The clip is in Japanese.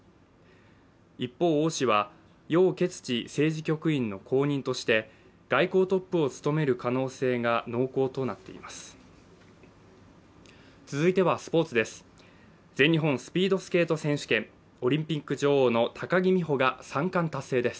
一方、王氏は楊潔チ政治局員の後任として外交トップを務める可能性が濃厚となっています。